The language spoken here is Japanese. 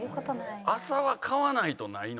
麻は買わないとないの？